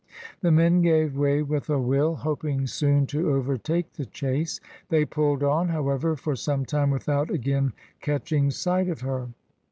The men gave way with a will, hoping soon to overtake the chase. They pulled on, however, for some time without again catching sight of her.